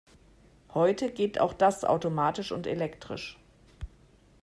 Heute geht auch das automatisch und elektrisch.